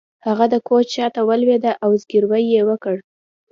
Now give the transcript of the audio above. هغه د کوچ شاته ولویده او زګیروی یې وکړ